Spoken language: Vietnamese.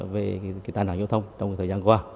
về cái tai nạn giao thông trong thời gian qua